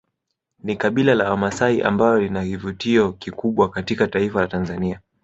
Ni kabila la wamasai ambao lina kivutio kikubwa katika taifa la Tanzania